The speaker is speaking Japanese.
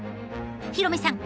ヒロミさん